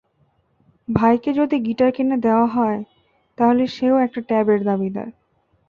ভাইকে যদি গিটার কিনে দেওয়া হয়, তাহলে সে–ও একটা ট্যাবের দাবিদার।